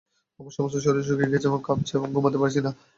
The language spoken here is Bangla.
আমার সমস্ত শরীর শুকিয়ে গেছে এবং কাঁপছে, আবার ঘুমাতেও পারছি না।